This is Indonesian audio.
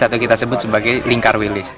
atau kita sebut sebagai lingkar wilis